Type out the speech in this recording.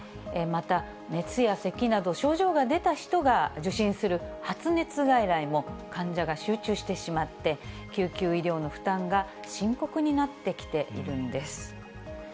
また熱やせきなど、症状が出た人が受診する発熱外来も、患者が集中してしまって、救急医療の負担が深刻になってきているんです。